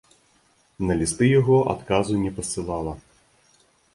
На лісты яго адказу не пасылала.